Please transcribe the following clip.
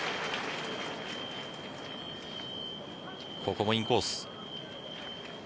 ここもインコース。